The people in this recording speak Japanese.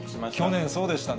去年、そうでしたね。